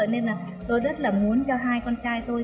nên là tôi rất là muốn cho hai con trai thôi